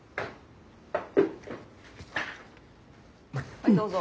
はいどうぞ。